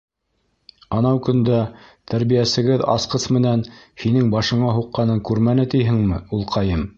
Анау көндә тәрбиәсегеҙ асҡыс менән һинең башыңа һуҡҡанын күрмәне тиһеңме, улҡайым?